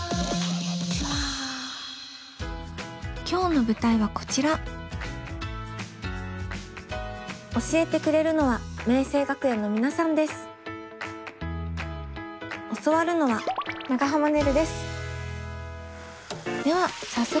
今日の舞台はこちら教えてくれるのは教わるのは長濱ねるです。